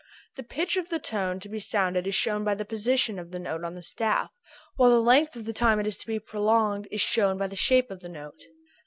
The pitch of the tone to be sounded is shown by the position of the note on the staff, while the length of time it is to be prolonged is shown by the shape of the note.